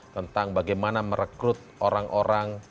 tentang bagaimana merekrut orang orang